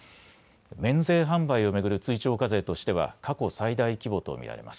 免税販売を巡る追徴課税としては過去最大規模と見られます。